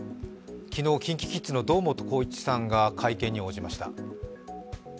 昨日、ＫｉｎＫｉＫｉｄｓの堂本光一さんが会見に応じました。